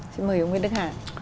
xin mời ông nguyễn đức hà